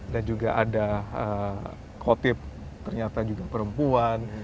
dan juga ada kotip ternyata perempuan